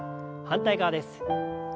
反対側です。